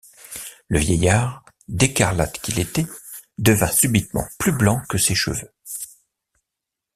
Le vieillard, d’écarlate qu’il était, devint subitement plus blanc que ses cheveux.